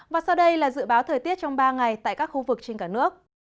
và sau đây là dự báo thời tiết trong ba ngày tại các khu vực trên cả nước